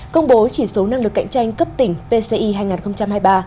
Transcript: công bố chỉ số năng lực cạnh tranh cấp tỉnh pci hai nghìn hai mươi ba